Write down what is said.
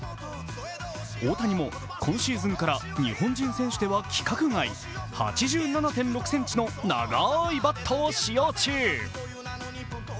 大谷も今シーズンから日本人選手では規格外、８７．６ｃｍの長いバットを使用中。